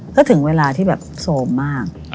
ก็ถึงเวลาที่แบบโซมมาก